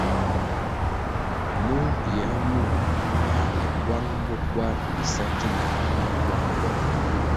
Mur yie mur bale bwang bo kwar bi sa ki na yih bwang bo.